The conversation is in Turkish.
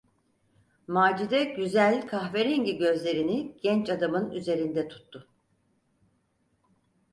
Macide güzel, kahverengi gözlerini genç adamın üzerinde tuttu.